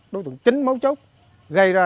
đối tượng chính máu chốc gây ra